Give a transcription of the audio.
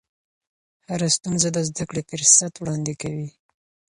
هره ستونزه د زده کړې فرصت وړاندې کوي.